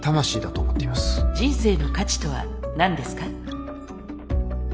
人生の価値とは何ですか？